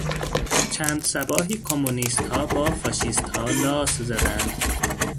چند صباحی کمونیستها با فاشیستها لاس زدند.